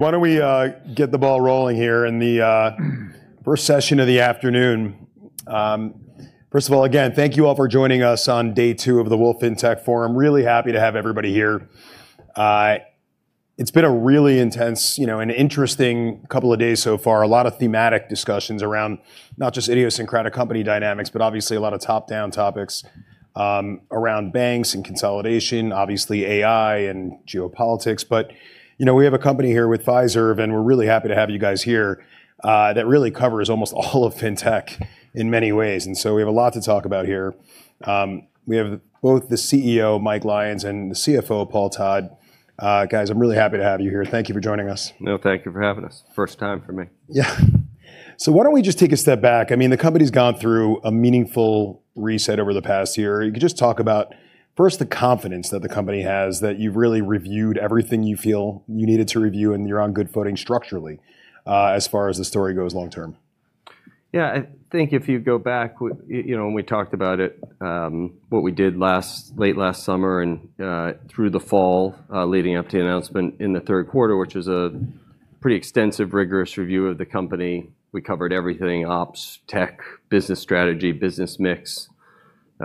Why don't we get the ball rolling here in the first session of the afternoon. First of all, again, thank you all for joining us on day two of the Wolfe FinTech Forum. Really happy to have everybody here. It's been a really intense, you know, and interesting couple of days so far. A lot of thematic discussions around not just idiosyncratic company dynamics, but obviously a lot of top-down topics around banks and consolidation, obviously AI and geopolitics. You know, we have a company here with Fiserv, and we're really happy to have you guys here that really covers almost all of fintech in many ways, and so we have a lot to talk about here. We have both the CEO, Mike Lyons, and the CFO, Paul Todd. Guys, I'm really happy to have you here. Thank you for joining us. No, thank you for having us. First time for me. Yeah. Why don't we just take a step back? I mean, the company's gone through a meaningful reset over the past year. You could just talk about, first, the confidence that the company has that you've really reviewed everything you feel you needed to review, and you're on good footing structurally, as far as the story goes long term. Yeah. I think if you go back, you know, when we talked about it, what we did late last summer and through the fall, leading up to the announcement in the third quarter, which is a pretty extensive, rigorous review of the company. We covered everything, ops, tech, business strategy, business mix,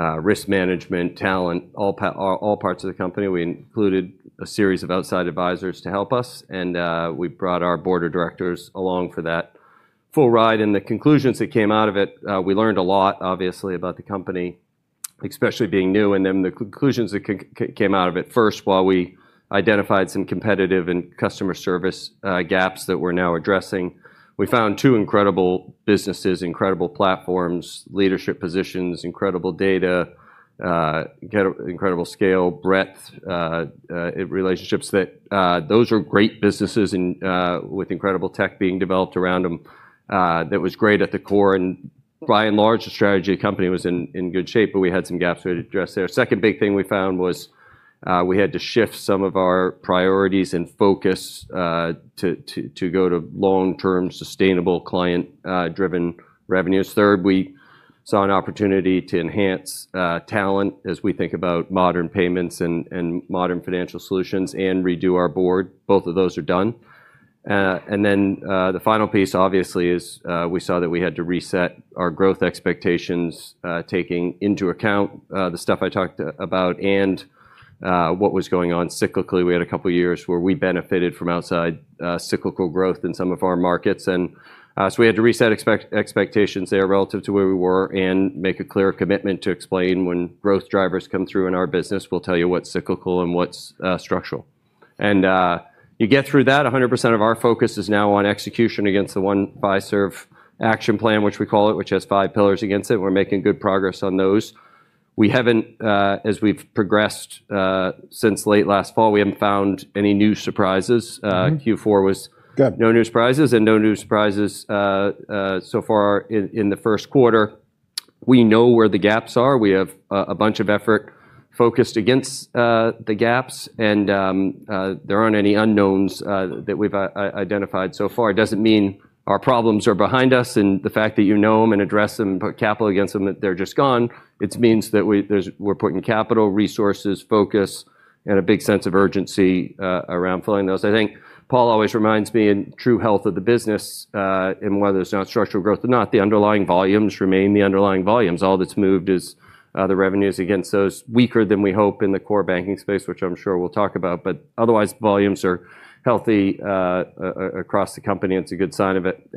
risk management, talent, all parts of the company. We included a series of outside advisors to help us and we brought our board of directors along for that full ride. The conclusions that came out of it, we learned a lot, obviously, about the company, especially being new, and then the conclusions that came out of it. First, while we identified some competitive and customer service gaps that we're now addressing, we found two incredible businesses, incredible platforms, leadership positions, incredible data, incredible scale, breadth, relationships that those are great businesses and with incredible tech being developed around them, that was great at the core. By and large, the strategy of the company was in good shape, but we had some gaps we had to address there. Second big thing we found was we had to shift some of our priorities and focus to go to long-term sustainable client driven revenues. Third, we saw an opportunity to enhance talent as we think about modern payments and modern financial solutions and redo our board. Both of those are done. The final piece obviously is we saw that we had to reset our growth expectations, taking into account the stuff I talked about and what was going on cyclically. We had a couple of years where we benefited from outside cyclical growth in some of our markets. We had to reset expectations there relative to where we were and make a clear commitment to explain when growth drivers come through in our business, we'll tell you what's cyclical and what's structural. You get through that, 100% of our focus is now on execution against the One Fiserv action plan, which we call it, which has five pillars against it. We're making good progress on those. We haven't, as we've progressed since late last fall, we haven't found any new surprises. Uh- Mm-hmm. Q4 was. Good No new surprises so far in the first quarter. We know where the gaps are. We have a bunch of effort focused against the gaps, and there aren't any unknowns that we've identified so far. It doesn't mean our problems are behind us and the fact that you know them and address them and put capital against them, that they're just gone. It means that we're putting capital, resources, focus and a big sense of urgency around filling those. I think Paul always reminds me in true health of the business, and whether there's structural growth or not, the underlying volumes remain the underlying volumes. All that's moved is the revenues against those weaker than we hope in the core banking space, which I'm sure we'll talk about. Otherwise, volumes are healthy across the company. It's a good sign of it.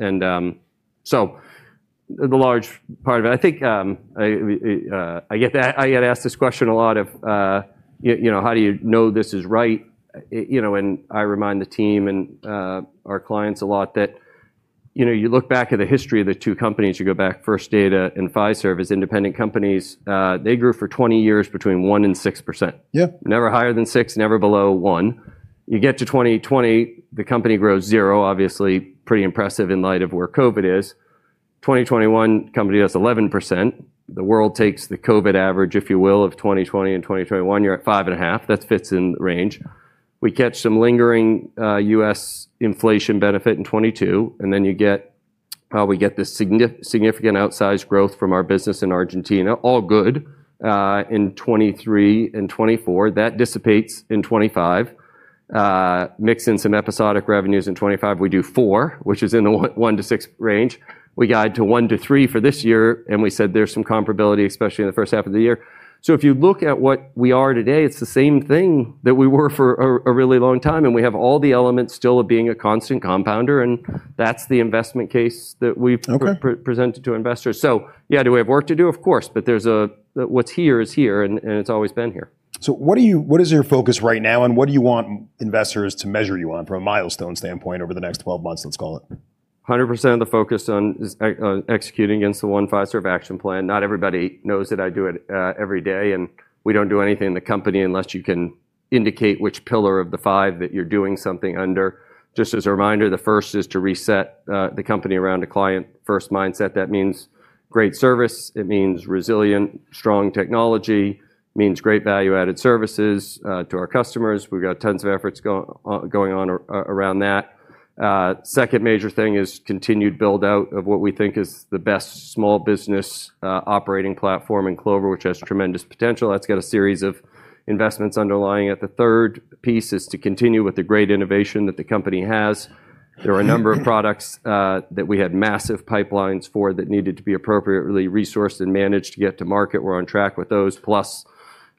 The large part of it, I think, I get asked this question a lot, you know, how do you know this is right? You know, I remind the team and our clients a lot that, you know, you look back at the history of the two companies. You go back First Data and Fiserv as independent companies. They grew for 20 years between 1%-6%. Yeah. Never higher than 6%, never below 1%. You get to 2020, the company grows 0%, obviously pretty impressive in light of where COVID is. 2021, company has 11%. The world takes the COVID average, if you will, of 2020 and 2021, you're at 5.5%. That fits in range. We catch some lingering US inflation benefit in 2022, and then you get we get this significant outsized growth from our business in Argentina, all good in 2023 and 2024. That dissipates in 2025. Mix in some episodic revenues in 2025, we do 4%, which is in the 1-6% range. We guide to 1%-3% for this year, and we said there's some comparability, especially in the first half of the year. if you look at what we are today, it's the same thing that we were for a really long time, and we have all the elements still of being a constant compounder, and that's the investment case that we've- Okay presented to investors. Yeah, do we have work to do? Of course. There's a, what's here is here, and it's always been here. What is your focus right now, and what do you want investors to measure you on from a milestone standpoint over the next 12 months, let's call it? 100% of the focus on executing against the One Fiserv action plan. Not everybody knows that I do it every day, and we don't do anything in the company unless you can indicate which pillar of the five that you're doing something under. Just as a reminder, the first is to reset the company around a client-first mindset. That means great service. It means resilient, strong technology. It means great value-added services to our customers. We've got tons of efforts going on around that. Second major thing is continued build-out of what we think is the best small business operating platform in Clover, which has tremendous potential. That's got a series of investments underlying it. The third piece is to continue with the great innovation that the company has. There were a number of products that we had massive pipelines for that needed to be appropriately resourced and managed to get to market. We're on track with those,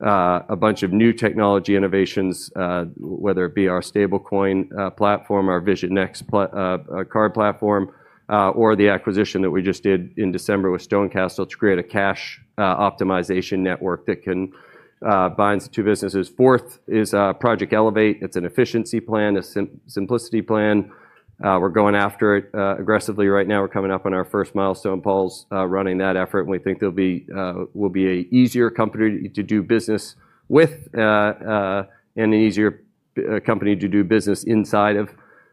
plus a bunch of new technology innovations, whether it be our stablecoin platform, our Vision Next card platform, or the acquisition that we just did in December with StoneCastle to create a cash optimization network that can binds the two businesses. Fourth is Project Elevate. It's an efficiency plan, a simplicity plan. We're going after it aggressively right now. We're coming up on our first milestone. Paul's running that effort, and we think we'll be an easier company to do business with, and an easier company to do business inside of,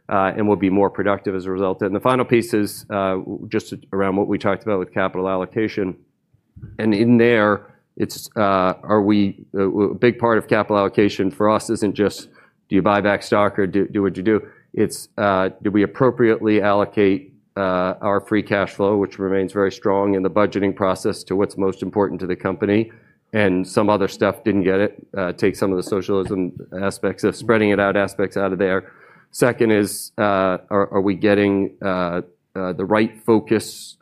and we'll be more productive as a result. The final piece is just around what we talked about with capital allocation. In there, it's a big part of capital allocation for us isn't just do you buy back stock or do what you do. It's do we appropriately allocate our free cash flow, which remains very strong in the budgeting process, to what's most important to the company. Some other stuff didn't get it. Take some of the siloed aspects of spreading it out of there. Second is, are we getting the right focus,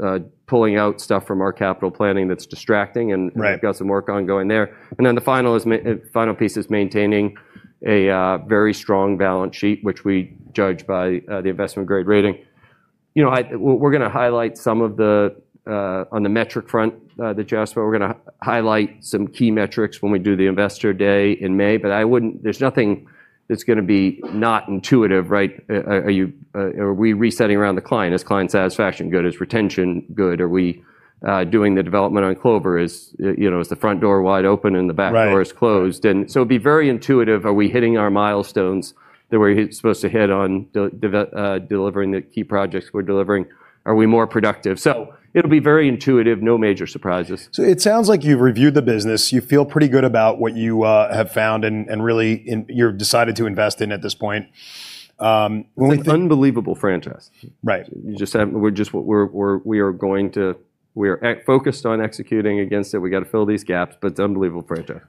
pulling out stuff from our capital planning that's distracting and Right. We've got some work ongoing there. The final piece is maintaining a very strong balance sheet, which we judge by the investment grade rating. We're going to highlight some of the on the metric front that just wrote. We're going to highlight some key metrics when we do the investor day in May, but there's nothing that's going to be not intuitive, right? Are we resetting around the client? Is client satisfaction good? Is retention good? Are we doing the development on Clover? Is the front door wide open and the back door Right. is closed? It'd be very intuitive. Are we hitting our milestones that we're supposed to hit on delivering the key projects we're delivering? Are we more productive? It'll be very intuitive, no major surprises. It sounds like you've reviewed the business, you feel pretty good about what you have found and you've decided to invest in at this point. It's an unbelievable franchise. Right. We are focused on executing against it. We gotta fill these gaps, but it's an unbelievable franchise.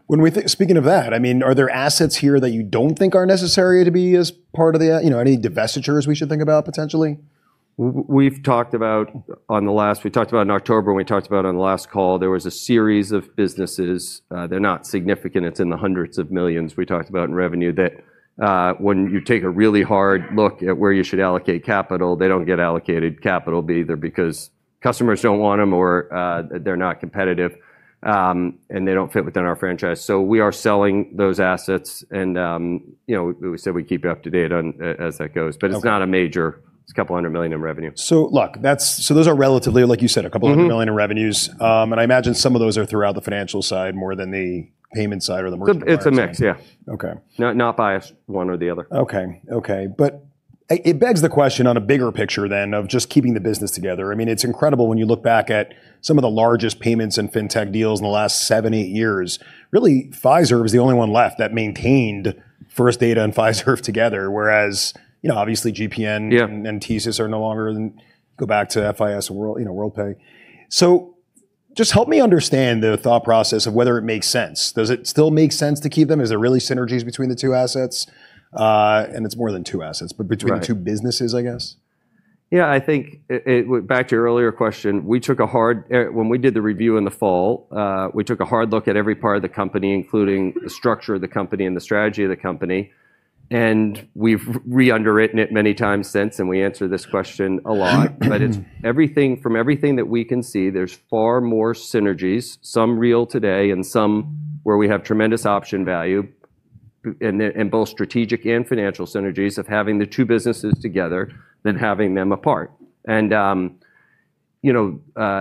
Speaking of that, I mean, are there assets here that you don't think are necessary to be a part of the, you know, any divestitures we should think about potentially? We talked about in October, and we talked about on the last call, there was a series of businesses, they're not significant, it's in the hundreds of millions we talked about in revenue that, when you take a really hard look at where you should allocate capital, they don't get allocated capital either because customers don't want them or, they're not competitive, and they don't fit within our franchise. We are selling those assets and, you know, we said we'd keep you up to date on, as that goes. Okay. It's not a major. It's couple of million in revenue. Those are relatively, like you said. Mm-hmm. A couple hundred million in revenues. I imagine some of those are throughout the financial side more than the payment side or the merchant side. It's a mix, yeah. Okay. Not biased one or the other. It begs the question on a bigger picture than of just keeping the business together. I mean, it's incredible when you look back at some of the largest payments and fintech deals in the last seven, eight years. Really, Fiserv is the only one left that maintained First Data and Fiserv together, whereas, you know, obviously GPN- Yeah. TSYS are no longer, then go back to FIS, Worldpay, you know, Worldpay. Just help me understand the thought process of whether it makes sense. Does it still make sense to keep them? Is there really synergies between the two assets? It's more than two assets, but between- Right. Two businesses, I guess. Back to your earlier question, when we did the review in the fall, we took a hard look at every part of the company, including the structure of the company and the strategy of the company, and we've re-underwritten it many times since, and we answer this question a lot. From everything that we can see, there's far more synergies, some real today and some where we have tremendous option value in both strategic and financial synergies of having the two businesses together than having them apart. You know,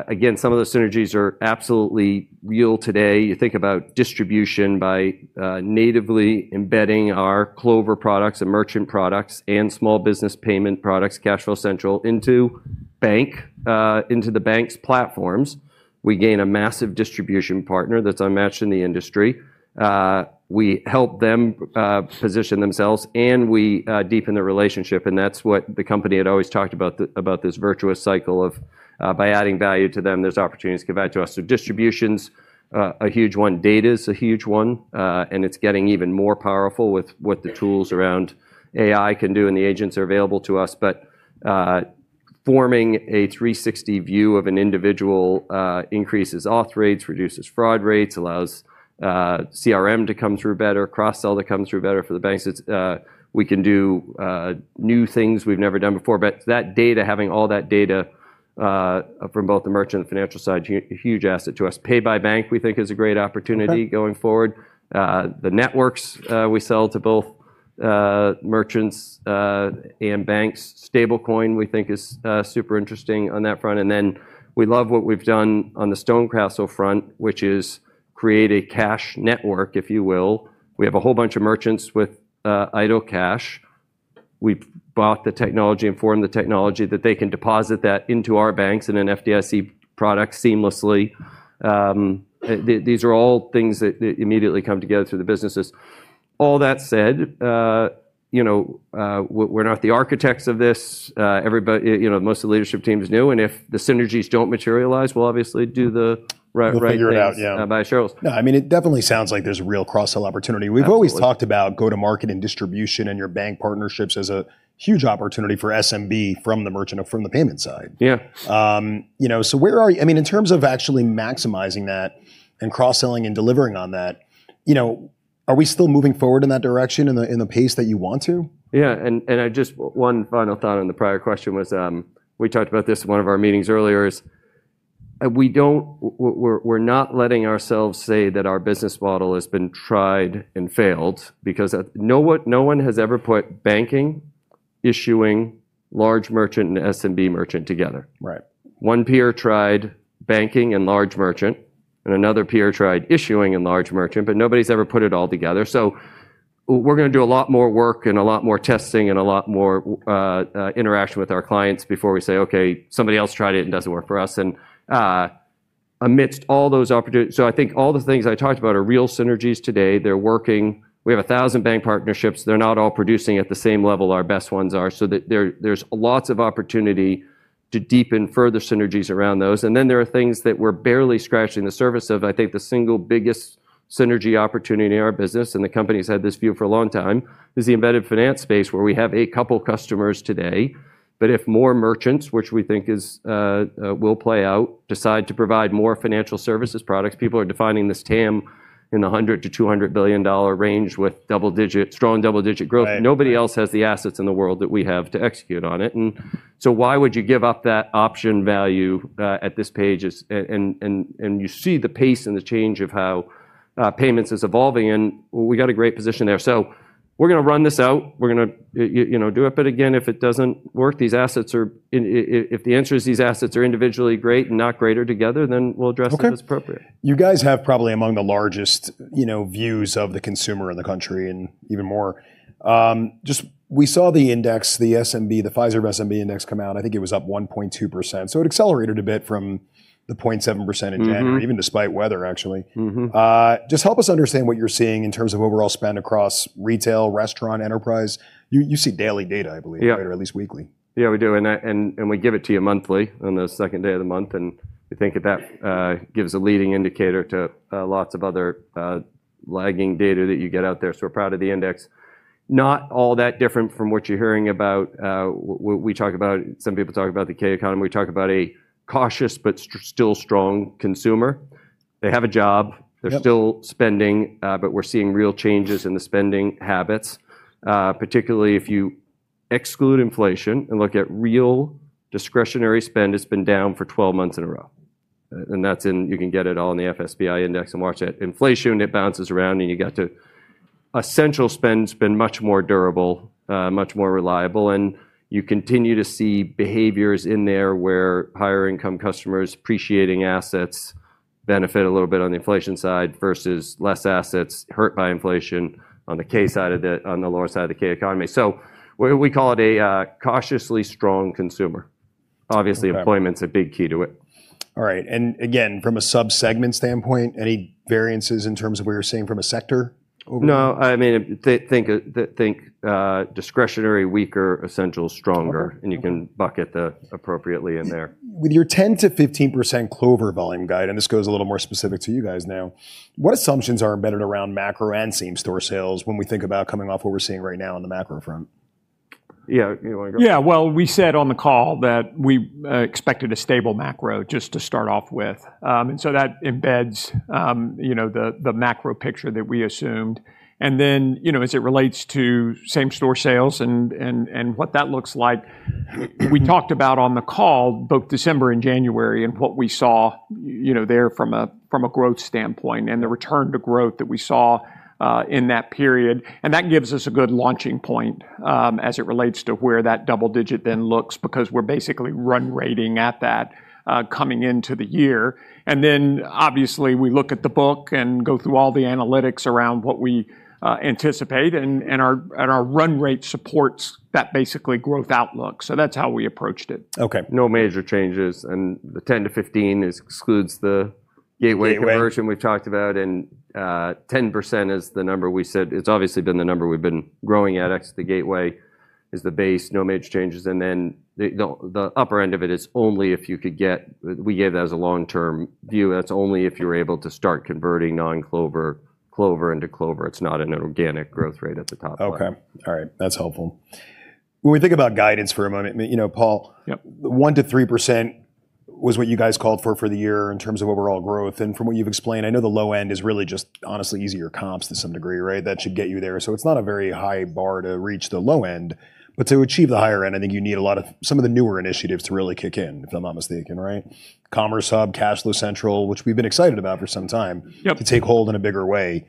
again, some of the synergies are absolutely real today. You think about distribution by natively embedding our Clover products and merchant products and small business payment products, CashFlow Central, into the bank's platforms. We gain a massive distribution partner that's unmatched in the industry. We help them position themselves, and we deepen the relationship, and that's what the company had always talked about this virtuous cycle of by adding value to them, there's opportunities given back to us. Distribution's a huge one. Data's a huge one, and it's getting even more powerful with what the tools around AI can do, and the agents are available to us. Forming a three-sixty view of an individual increases auth rates, reduces fraud rates, allows CRM to come through better, cross-sell to come through better for the banks. We can do new things we've never done before. That data, having all that data from both the merchant and financial side, huge asset to us. Pay by bank, we think, is a great opportunity. Okay. Going forward. The networks we sell to both merchants and banks. Stablecoin, we think is super interesting on that front. We love what we've done on the StoneCastle front, which is create a cash network, if you will. We have a whole bunch of merchants with idle cash. We've bought the technology and formed the technology that they can deposit that into our banks in an FDIC product seamlessly. These are all things that immediately come together through the businesses. All that said, you know, we're not the architects of this. Everybody. You know, most of the leadership team is new, and if the synergies don't materialize, we'll obviously do the right thing. We'll figure it out, yeah. by shareholders. No, I mean, it definitely sounds like there's a real cross-sell opportunity. Absolutely. We've always talked about go to market and distribution and your bank partnerships as a huge opportunity for SMB from the merchant or from the payment side. Yeah. You know, where are you? I mean, in terms of actually maximizing that and cross-selling and delivering on that, you know, are we still moving forward in that direction in the pace that you want to? Yeah. One final thought on the prior question was, we talked about this in one of our meetings earlier, is, we're not letting ourselves say that our business model has been tried and failed because, no one has ever put banking, issuing, large merchant, and SMB merchant together. Right. One peer tried banking and large merchant, and another peer tried issuing and large merchant, but nobody's ever put it all together. We're going to do a lot more work and a lot more testing and a lot more interaction with our clients before we say, "Okay, somebody else tried it and doesn't work for us." I think all the things I talked about are real synergies today. They're working. We have 1,000 bank partnerships. They're not all producing at the same level our best ones are, so there's lots of opportunity to deepen further synergies around those. Then there are things that we're barely scratching the surface of. I think the single biggest synergy opportunity in our business, and the company's had this view for a long time, is the embedded finance space, where we have a couple customers today, but if more merchants, which we think will play out, decide to provide more financial services products, people are defining this TAM in the $100-$200 billion range with double-digit, strong double-digit growth. Right. Nobody else has the assets in the world that we have to execute on it. Why would you give up that option value at this stage. You see the pace and the change of how payments is evolving, and we've got a great position there. We're going to run this out. We're going to you know, do it. Again, if it doesn't work, if the answer is these assets are individually great and not greater together, then we'll address it as appropriate. Okay. You guys have probably among the largest, you know, views of the consumer in the country and even more. Just, we saw the index, the SMB, the Fiserv SMB index come out, and I think it was up 1.2%, so it accelerated a bit from the 0.7% in January. Mm-hmm Even despite weather, actually. Mm-hmm. Just help us understand what you're seeing in terms of overall spend across retail, restaurant, enterprise? You see daily data, I believe. Yeah at least weekly. Yeah, we do. We give it to you monthly on the second day of the month, and we think that gives a leading indicator to lots of other lagging data that you get out there, so we're proud of the index. Not all that different from what you're hearing about. Some people talk about the K-shaped economy. We talk about a cautious but still strong consumer. They have a job. Yep. They're still spending, but we're seeing real changes in the spending habits, particularly if you exclude inflation and look at real discretionary spend has been down for 12 months in a row. That's in the FSBI index. You can get it all in the FSBI index and watch that. Inflation bounces around. Essential spend's been much more durable, much more reliable. You continue to see behaviors in there where higher income customers appreciating assets benefit a little bit on the inflation side versus less assets hurt by inflation on the lower side of the K-shaped economy. We call it a cautiously strong consumer. Okay. Obviously, employment's a big key to it. All right. Again, from a sub-segment standpoint, any variances in terms of what you're seeing from a sector over- No. I mean, think, discretionary weaker, essential stronger. Okay. You can bucket that appropriately in there. With your 10%-15% Clover volume guide, and this goes a little more specific to you guys now, what assumptions are embedded around macro and same-store sales when we think about coming off what we're seeing right now on the macro front? Yeah. You want to go? Yeah. Well, we said on the call that we expected a stable macro just to start off with. So, that embeds you know the macro picture that we assumed. Then you know as it relates to same-store sales and what that looks like, we talked about on the call both December and January and what we saw you know there from a growth standpoint and the return to growth that we saw in that period. That gives us a good launching point as it relates to where that double digit then looks because we're basically run rating at that coming into the year. Then obviously we look at the book and go through all the analytics around what we anticipate, and our run rate supports that basically growth outlook. That's how we approached it. Okay. No major changes, and the 10-15, this excludes the gateway conversion. Gateway We've talked about, and 10% is the number we said. It's obviously been the number we've been growing at. Ex the gateway is the base, no major changes. The upper end of it is only if you could get. We gave that as a long-term view. That's only if you're able to start converting non-Clover into Clover. It's not an organic growth rate at the top line. Okay. All right. That's helpful. When we think about guidance for a moment, I mean, you know, Paul- Yep 1%-3% was what you guys called for the year in terms of overall growth. From what you've explained, I know the low end is really just honestly easier comps to some degree, right? That should get you there. It's not a very high bar to reach the low end. To achieve the higher end, I think you need a lot of some of the newer initiatives to really kick in, if I'm not mistaken, right? Commerce Hub, CashFlow Central, which we've been excited about for some time. Yep to take hold in a bigger way.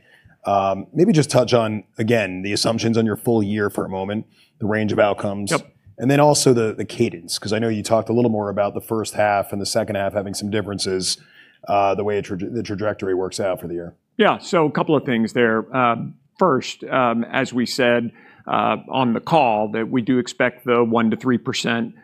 Maybe just touch on, again, the assumptions on your full year for a moment, the range of outcomes. Yep. Also, the cadence, 'cause I know you talked a little more about the first half and the second half having some differences, the way the trajectory works out for the year. Yeah. A couple of things there. First, as we said, on the call that we do expect the 1%-3%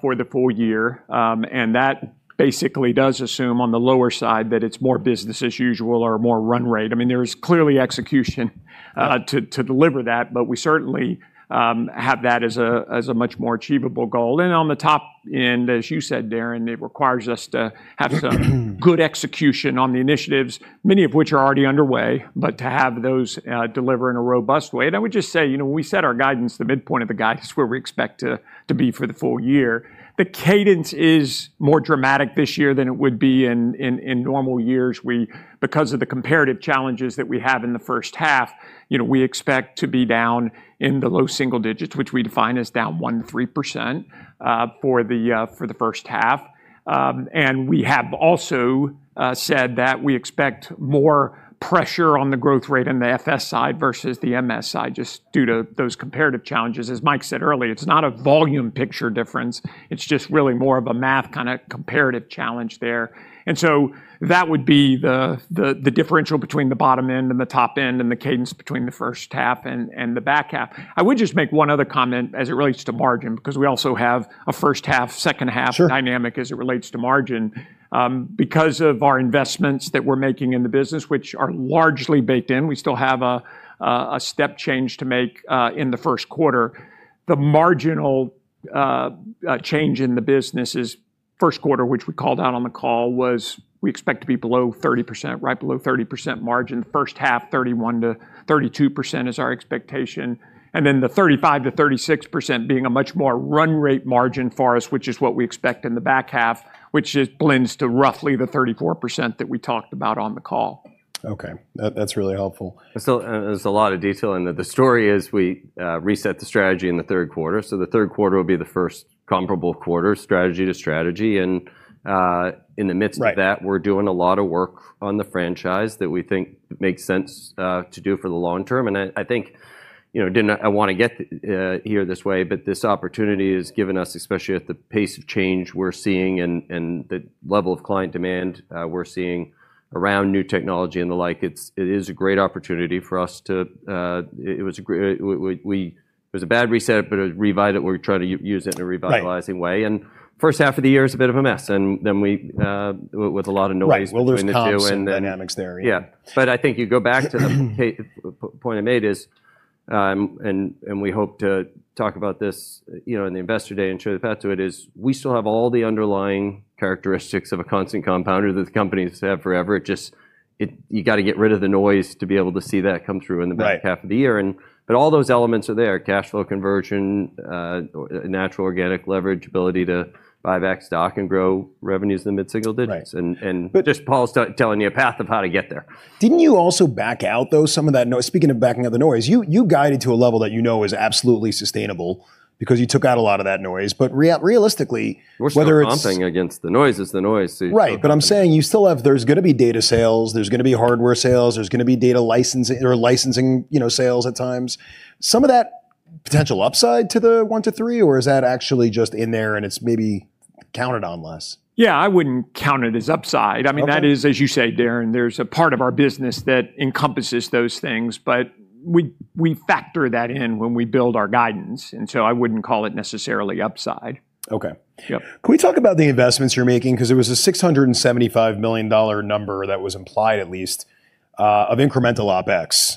for the full year. That basically does assume on the lower side that it's more business as usual or more run rate. I mean, there is clearly execution to deliver that, but we certainly have that as a much more achievable goal. On the top end, as you said, Darren, it requires us to have some good execution on the initiatives, many of which are already underway, but to have those deliver in a robust way. I would just say, you know, when we set our guidance, the midpoint of the guidance is where we expect to be for the full year. The cadence is more dramatic this year than it would be in normal years. Because of the comparative challenges that we have in the first half, you know, we expect to be down in the low single digits, which we define as down 1%-3%, for the first half. We have also said that we expect more pressure on the growth rate in the FS side versus the MS side just due to those comparative challenges. As Mike said earlier, it's not a volume picture difference, it's just really more of a math kind of comparative challenge there. That would be the differential between the bottom end and the top end, and the cadence between the first half and the back half. I would just make one other comment as it relates to margin, because we also have a first half, second half. Sure Dynamic as it relates to margin. Because of our investments that we're making in the business, which are largely baked in, we still have a step change to make in the first quarter. The marginal change in the business is first quarter, which we called out on the call, was we expect to be below 30%, right below 30% margin. First half, 31%-32% is our expectation. Then the 35%-36% being a much more run rate margin for us, which is what we expect in the back half, which it blends to roughly the 34% that we talked about on the call. Okay. That's really helpful. There's a lot of detail in that. The story is we reset the strategy in the third quarter. The third quarter will be the first comparable quarter strategy to strategy. In the midst of that. Right We're doing a lot of work on the franchise that we think makes sense to do for the long term. I think, you know, I didn't want to put it this way, but this opportunity has given us, especially at the pace of change we're seeing and the level of client demand we're seeing around new technology and the like; it is a great opportunity for us to. It was a bad reset, but we're trying to use it in a revitalizing way. Right. First half of the year is a bit of a mess, and then we, with a lot of noise between the two and then. Right. We'll lose comps and dynamics there, yeah. Yeah. I think you go back to the point I made is, and we hope to talk about this, you know, in the investor day and show the path to it, is we still have all the underlying characteristics of a constant compounder that the company's had forever. It just you gotta get rid of the noise to be able to see that come through in the back half. Right Of the year. All those elements are there. Cash flow conversion, natural organic leverage, ability to buy back stock and grow revenues in the mid-single digits. Right. Just Paul's telling you a path of how to get there. Didn't you also back out, though, some of that noise? Speaking of backing out the noise, you guided to a level that you know is absolutely sustainable because you took out a lot of that noise. Realistically, whether it's We're still bumping against the noise. It's the noise. Right. I'm saying you still have. There's going to be data sales, there's going to be hardware sales, there's going to be data licensing or licensing, you know, sales at times. Some of that potential upside to the one to three, or is that actually just in there and it's maybe counted on less? Yeah, I wouldn't count it as upside. Okay. I mean, that is, as you say, Darren, there's a part of our business that encompasses those things, but we factor that in when we build our guidance, and so I wouldn't call it necessarily upside. Okay. Yep. Can we talk about the investments you're making? 'Cause there was a $675 million number that was implied at least, of incremental OpEx.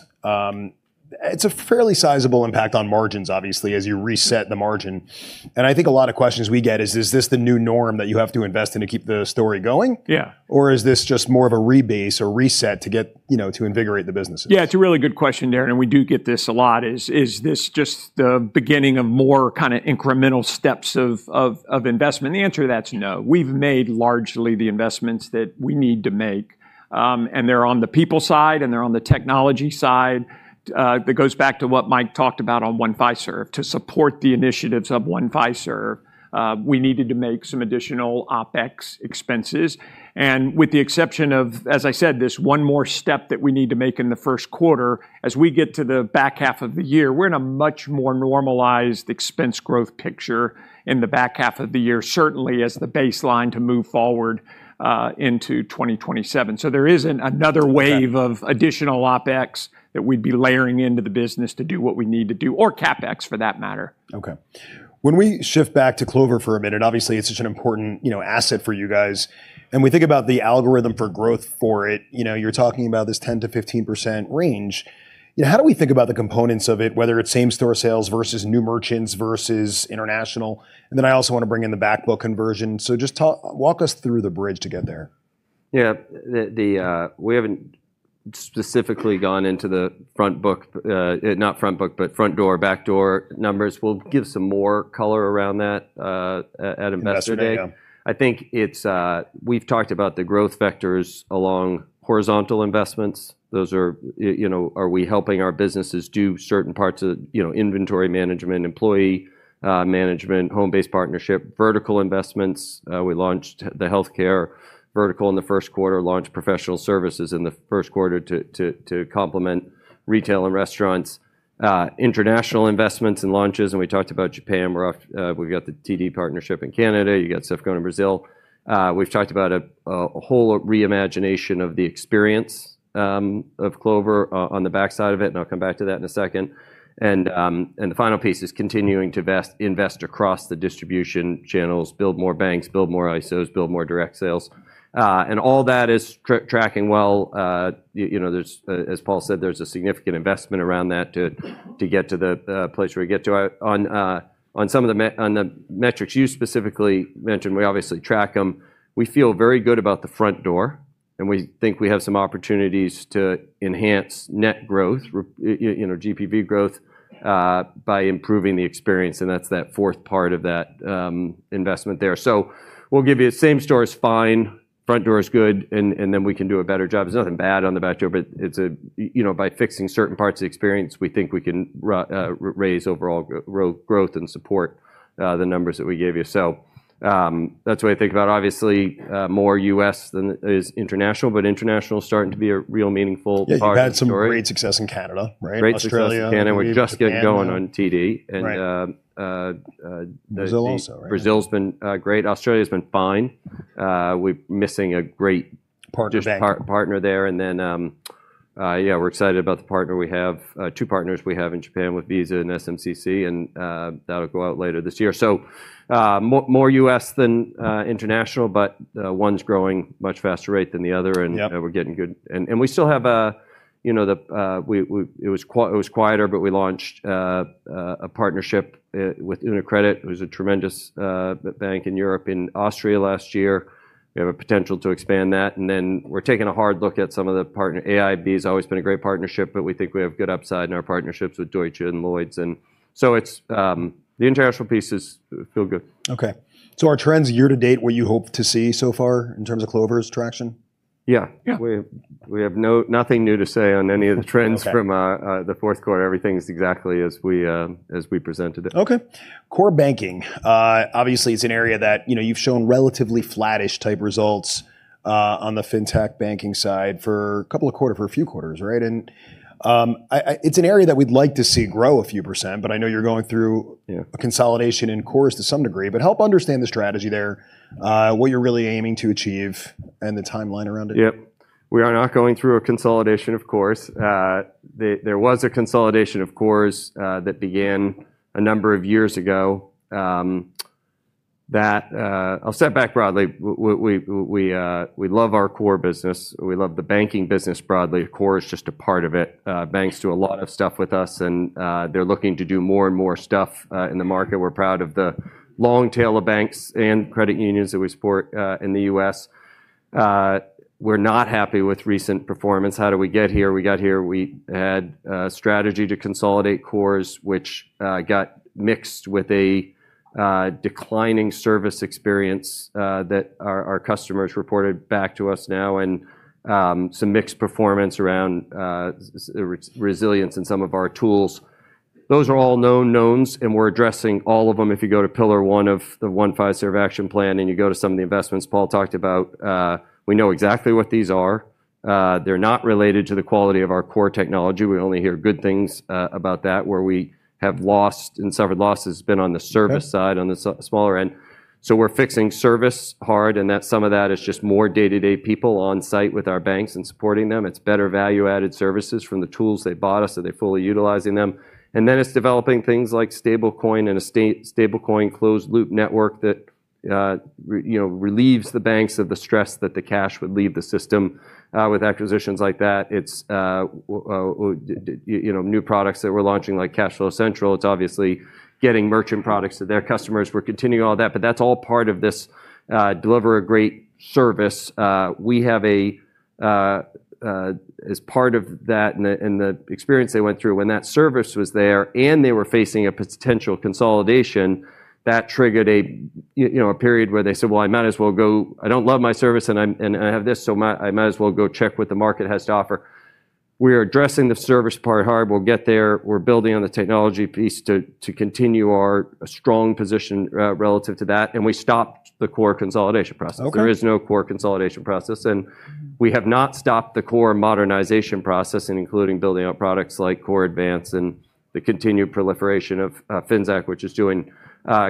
It's a fairly sizable impact on margins, obviously, as you reset the margin. I think a lot of questions we get is this the new norm that you have to invest in to keep the story going? Yeah. Is this just more of a rebase or reset to get, you know, to invigorate the businesses? Yeah, it's a really good question, Darren, and we do get this a lot. Is this just the beginning of more kind of incremental steps of investment? The answer to that is no. We've made largely the investments that we need to make. They're on the people side, and they're on the technology side. That goes back to what Mike talked about on One Fiserv. To support the initiatives of One Fiserv, we needed to make some additional OpEx expenses. With the exception of, as I said, this one more step that we need to make in the first quarter, as we get to the back half of the year, we're in a much more normalized expense growth picture in the back half of the year, certainly as the baseline to move forward into 2027. There isn't another wave- 2027 of additional OpEx that we'd be layering into the business to do what we need to do, or CapEx for that matter. Okay. When we shift back to Clover for a minute, obviously, it's such an important, you know, asset for you guys, and we think about the algorithm for growth for it. You know, you're talking about this 10%-15% range. You know, how do we think about the components of it, whether it's same-store sales versus new merchants versus international? I also want to bring in the back book conversion. Walk us through the bridge to get there. We haven't specifically gone into the front door, back door numbers. We'll give some more color around that at Investor Day. Investor Day, yeah. I think it's we've talked about the growth vectors along horizontal investments. Those are, you know, are we helping our businesses do certain parts of, you know, inventory management, employee management, home-based partnership, vertical investments. We launched the healthcare vertical in the first quarter, launched professional services in the first quarter to complement retail and restaurants. International investments and launches, and we talked about Japan. We've got the TD partnership in Canada. We've got Safra in Brazil. We've talked about a whole re-imagination of the experience of Clover on the backside of it, and I'll come back to that in a second. The final piece is continuing to invest across the distribution channels, build more banks, build more ISOs, build more direct sales. All that is tracking well. You know, as Paul said, there's a significant investment around that to get to the place where we get to. On some of the metrics you specifically mentioned, we obviously track them. We feel very good about the front door, and we think we have some opportunities to enhance net growth, you know, GPV growth, by improving the experience, and that's that fourth part of that investment there. We'll give you same store is fine, front door is good, and then we can do a better job. There's nothing bad on the back door. You know, by fixing certain parts of the experience, we think we can raise overall growth and support the numbers that we gave you. That's the way I think about it. Obviously, more U.S. than international, but international is starting to be a real meaningful part of the story. Yeah. You've had some great success in Canada, right? Great success in Canada. Australia. We're just getting going on TD. Right. And, um, uh- Brazil also, right? Brazil's been great. Australia's been fine. We're missing a great Partner bank just partner there. Then, yeah, we're excited about the partner we have. Two partners we have in Japan with Visa and SMCC, and that'll go out later this year. More U.S. than international, but one's growing much faster rate than the other, and Yeah We're getting good. It was quieter, but we launched a partnership with UniCredit, who's a tremendous bank in Europe, in Austria last year. We have a potential to expand that. We're taking a hard look at some of the partners. AIB has always been a great partnership, but we think we have good upside in our partnerships with Deutsche Bank and Lloyds Bank. It's the international pieces feel good. Okay. Are trends year to date what you hope to see so far in terms of Clover's traction? Yeah. Yeah. We have nothing new to say on any of the trends. Okay... from the fourth quarter. Everything is exactly as we presented it. Core banking. Obviously, it's an area that, you know, you've shown relatively flattish type results on the fintech banking side for a few quarters, right? It's an area that we'd like to see grow a few percent, but I know you're going through- Yeah... a consolidation in cores to some degree, but help understand the strategy there, what you're really aiming to achieve and the timeline around it. Yep. We are not going through a consolidation of cores. There was a consolidation of cores that began a number of years ago. I'll step back broadly. We love our core business. We love the banking business broadly. Core is just a part of it. Banks do a lot of stuff with us, and they're looking to do more and more stuff in the market. We're proud of the long tail of banks and credit unions that we support in the U.S. We're not happy with recent performance. How did we get here? We got here, we had a strategy to consolidate cores, which got mixed with a declining service experience that our customers reported back to us now and some mixed performance around resilience in some of our tools. Those are all known knowns, and we're addressing all of them. If you go to Pillar One of the One Fiserv action plan, and you go to some of the investments Paul talked about, we know exactly what these are. They're not related to the quality of our core technology. We only hear good things about that. Where we have lost and suffered loss has been on the service side. Okay... on the smaller end. We're fixing service hard, and that some of that is just more day-to-day people on site with our banks and supporting them. It's better value-added services from the tools they bought us. Are they fully utilizing them? Then it's developing things like stablecoin and a stablecoin closed loop network that you know relieves the banks of the stress that the cash would leave the system with acquisitions like that. It's well you know new products that we're launching like CashFlow Central. It's obviously getting merchant products to their customers. We're continuing all that, but that's all part of this deliver a great service. As part of that and the experience they went through, when that service was there and they were facing a potential consolidation, that triggered, you know, a period where they said, "Well, I might as well go. I don't love my service and I have this, so I might as well go check what the market has to offer." We are addressing the service part hard. We'll get there. We're building on the technology piece to continue our strong position relative to that, and we stopped the core consolidation process. Okay. There is no core consolidation process, and we have not stopped the core modernization process, and including building out products like CoreAdvance and the continued proliferation of Finxact, which is doing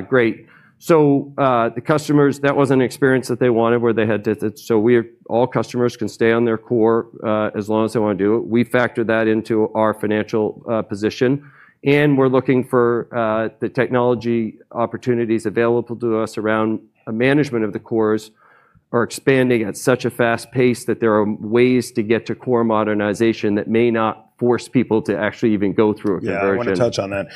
great. The customers, that wasn't an experience that they wanted where they had to. All customers can stay on their core as long as they want to do it. We factor that into our financial position, and we're looking for the technology opportunities available to us around management of the cores. Are expanding at such a fast pace that there are ways to get to core modernization that may not force people to actually even go through a conversion. Yeah, I want to touch on that.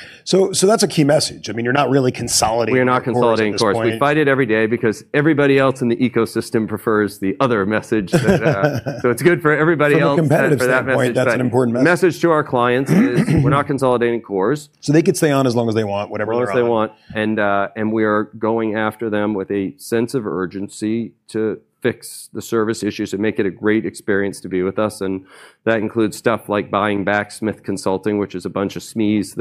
That's a key message. I mean, you're not really consolidating. We are not consolidating cores. We fight it every day because everybody else in the ecosystem prefers the other message that it's good for everybody else. From a competitive standpoint. For that message. That's an important message. Message to our clients is we're not consolidating cores. They could stay on as long as they want, whatever they're on. As long as they want. We are going after them with a sense of urgency to fix the service issues and make it a great experience to be with us, and that includes stuff like buying back Smith Consulting Group, which is a bunch of SMEs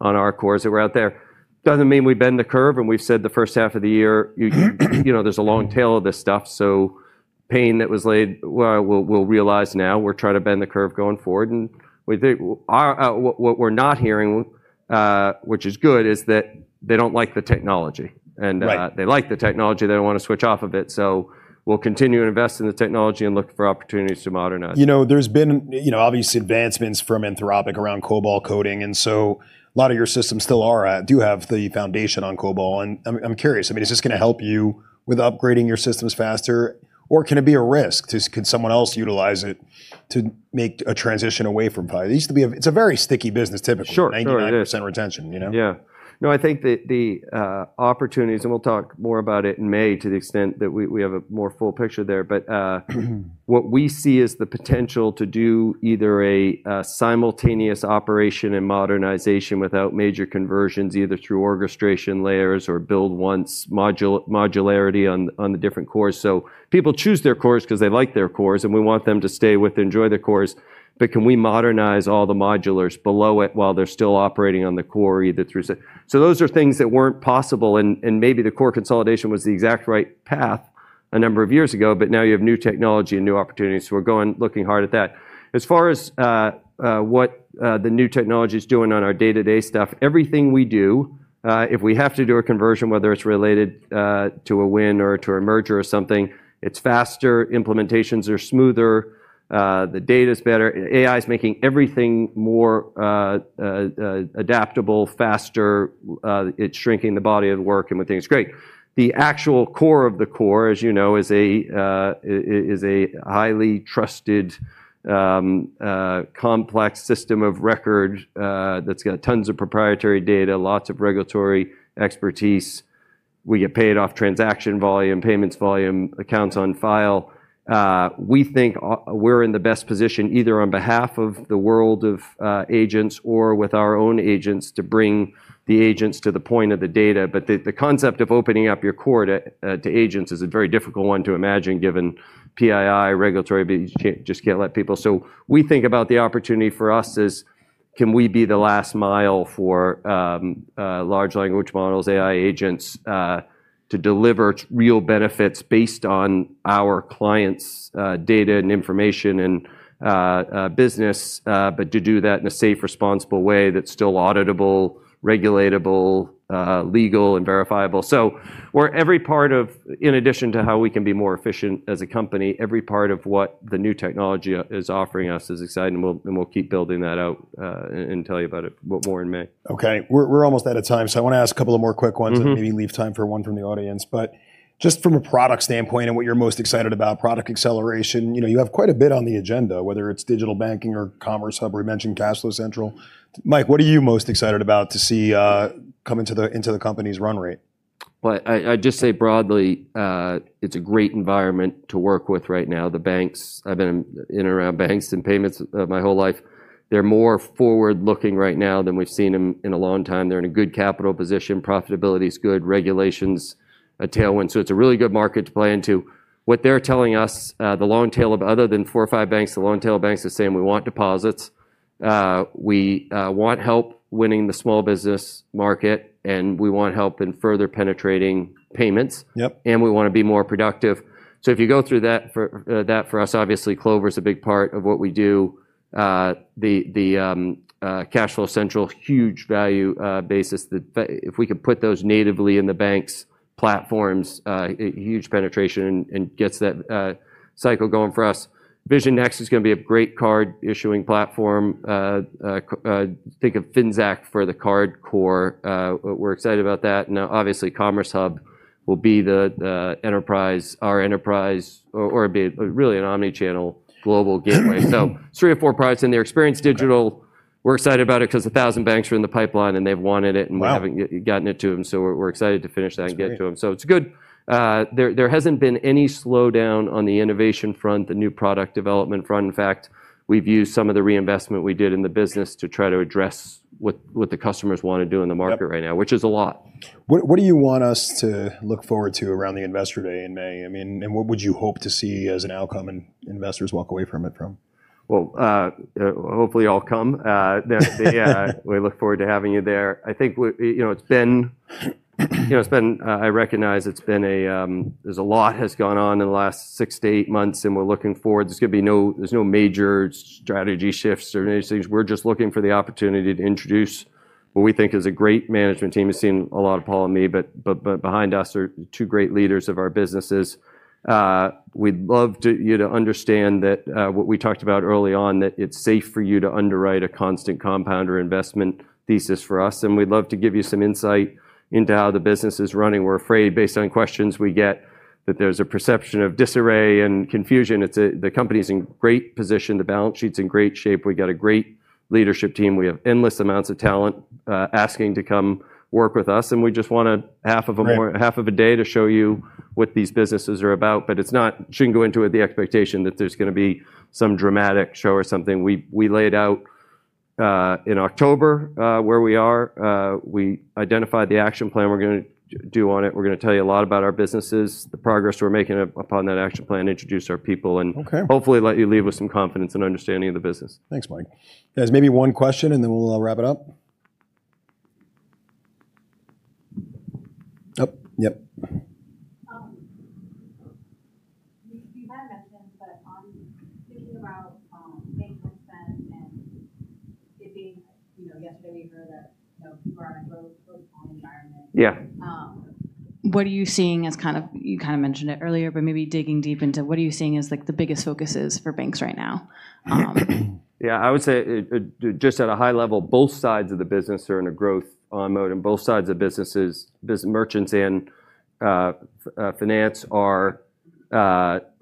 on our cores that were out there. Doesn't mean we bend the curve, and we've said the first half of the year, you know, there's a long tail of this stuff, so pain that was laid we'll realize now. We'll try to bend the curve going forward, and we think ours. What we're not hearing, which is good, is that they don't like the technology. Right They like the technology, they don't want to switch off of it, so we'll continue to invest in the technology and look for opportunities to modernize. You know, there's been, you know, obviously advancements from Anthropic around COBOL coding, and so a lot of your systems still do have the foundation on COBOL. I'm curious, I mean, is this going to help you with upgrading your systems faster, or can it be a risk? Can someone else utilize it to make a transition away from Fiserv? It's a very sticky business typically. Sure. Sure it is. 99% retention, you know? Yeah. No, I think the opportunities, and we'll talk more about it in May to the extent that we have a more full picture there. What we see is the potential to do either a simultaneous operation and modernization without major conversions, either through orchestration layers or build once modularity on the different cores. People choose their cores 'cause they like their cores, and we want them to stay with, enjoy their cores. Can we modernize all the modulars below it while they're still operating on the core? Those are things that weren't possible, and maybe the core consolidation was the exact right path a number of years ago, but now you have new technology and new opportunities, so we're going looking hard at that. As far as what the new technology's doing on our day-to-day stuff, everything we do, if we have to do a conversion, whether it's related to a win or to a merger or something, it's faster, implementations are smoother, the data's better. AI's making everything more adaptable, faster, it's shrinking the body of work, and we think it's great. The actual core of the core, as you know, is a highly trusted complex system of record that's got tons of proprietary data, lots of regulatory expertise. We get paid off transaction volume, payments volume, accounts on file. We think we're in the best position, either on behalf of the world of agents or with our own agents to bring the agents to the point of the data. The concept of opening up your core to agents is a very difficult one to imagine given PII, regulatory, but you just can't let people. We think about the opportunity for us as can we be the last mile for large language models, AI agents, to deliver real benefits based on our clients' data and information and business, but to do that in a safe, responsible way that's still auditable, regulatable, legal and verifiable. We're every part of in addition to how we can be more efficient as a company, every part of what the new technology is offering us is exciting, and we'll keep building that out, and tell you about it more in May. Okay. We're almost out of time, so I want to ask a couple of more quick ones. Mm-hmm Maybe leave time for one from the audience. Just from a product standpoint and what you're most excited about, product acceleration, you know, you have quite a bit on the agenda, whether it's digital banking or Commerce Hub, we mentioned CashFlow Central. Mike, what are you most excited about to see come into the company's run rate? Well, I'd just say broadly, it's a great environment to work with right now. The banks. I've been in and around banks and payments my whole life. They're more forward-looking right now than we've seen them in a long time. They're in a good capital position, profitability's good, regulation's a tailwind, so it's a really good market to play into. What they're telling us, the long tail of other than four or five banks, the long tail banks are saying, "We want deposits, we want help winning the small business market, and we want help in further penetrating payments. Yep. We want to be more productive. If you go through that for us, obviously Clover's a big part of what we do. CashFlow Central, huge value basis if we can put those natively in the banks' platforms, huge penetration and gets that cycle going for us. Vision Next is going to be a great card issuing platform. Think of Finxact for the card core. We're excited about that. Obviously, Commerce Hub will be the enterprise, our enterprise or be really an omni-channel global gateway. Three or four products in there. Experience Digital. Okay We're excited about it 'cause 1,000 banks are in the pipeline, and they've wanted it. Wow... we haven't yet gotten it to them, so we're excited to finish that. That's great. get to them. It's good. There hasn't been any slowdown on the innovation front, the new product development front. In fact, we've used some of the reinvestment we did in the business to try to address what the customers want to do in the market. Yep Right now, which is a lot. What do you want us to look forward to around the Investor Day in May? I mean, what would you hope to see as an outcome, and what investors walk away from it with? Well, hopefully you all come. We look forward to having you there. I think you know, it's been. I recognize it's been a. There's a lot has gone on in the last six to eight months, and we're looking forward. There's no major strategy shifts or any of these things. We're just looking for the opportunity to introduce what we think is a great management team. You've seen a lot of Paul and me, but behind us are two great leaders of our businesses. We'd love you to understand that what we talked about early on, that it's safe for you to underwrite a constant compounder investment thesis for us, and we'd love to give you some insight into how the business is running. We're afraid, based on questions we get, that there's a perception of disarray and confusion. The company's in great position, the balance sheet's in great shape. We got a great leadership team. We have endless amounts of talent asking to come work with us, and we just want a half of a mor- Great. Half of a day to show you what these businesses are about. You shouldn't go into it with the expectation that there's going to be some dramatic show or something. We laid out in October where we are. We identified the action plan we're going to do on it. We're going to tell you a lot about our businesses, the progress we're making upon that action plan, introduce our people, and Okay. Hopefully let you leave with some confidence and understanding of the business. Thanks, Mike. Guys, maybe one question, and then we'll wrap it up. Oh, yep. You had mentioned thinking about main concern and it being, you know, yesterday we heard that, you know, people are in a growth mode environment. Yeah. What are you seeing as kind of, you kinda mentioned it earlier, but maybe digging deep into what are you seeing as like the biggest focuses for banks right now? Yeah. I would say it just at a high level, both sides of the business are in a growth mode, and both sides of the business, merchants and finance are at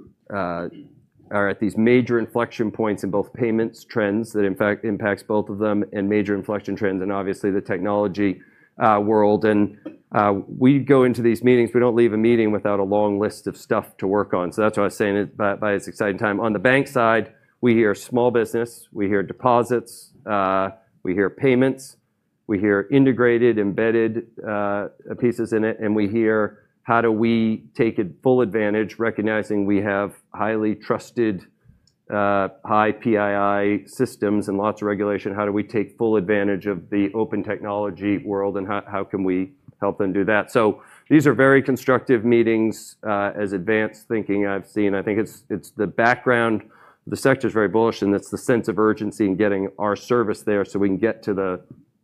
these major inflection points in both payment trends that in fact impact both of them and major inflection trends and obviously the technology world. We go into these meetings; we don't leave a meeting without a long list of stuff to work on. That's why I was saying it's exciting time. On the bank side, we hear small business, we hear deposits, we hear payments, we hear integrated, embedded pieces in it, and we hear how do we take a full advantage recognizing we have highly trusted, high PII systems and lots of regulation. How do we take full advantage of the open technology world, and how can we help them do that? These are very constructive meetings, the most advanced thinking I've seen. I think it's the background. The sector's very bullish, and it's the sense of urgency in getting our service there so we can get to the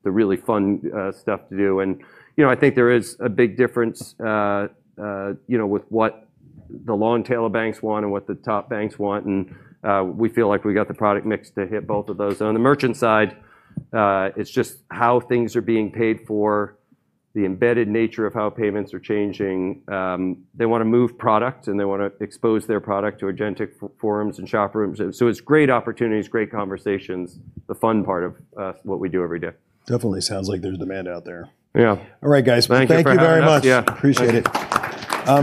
really fun stuff to do. You know, I think there is a big difference, you know, with what the long tail of banks wants and what the top banks want, and we feel like we got the product mix to hit both of those. On the merchant side, it's just how things are being paid for, the embedded nature of how payments are changing. They want to move product, and they want to expose their product to agentic forms and showrooms. It's great opportunities, great conversations, the fun part of what we do every day. Definitely sounds like there's demand out there. Yeah. All right, guys. Thank you for having us. Thank you very much. Yeah. Appreciate it.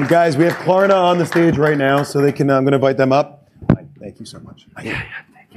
Guys, we have Klarna on the stage right now. I'm going to invite them up. Mike, thank you so much. Yeah, yeah. Thanks.